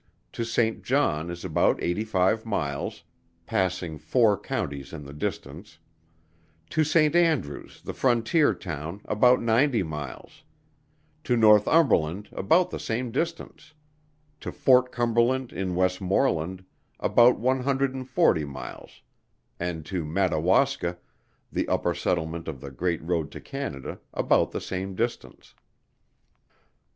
to St. John is about eighty five miles, passing four counties in the distance; to St. Andrews, the frontier town, about ninety miles; to Northumberland about the same distance; to Fort Cumberland in Westmorland, about one hundred and forty miles; and to Madawaska, the upper settlement on the great road to Canada, about the same distance.